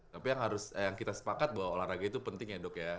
tapi yang harus yang kita sepakat bahwa olahraga itu penting ya dok ya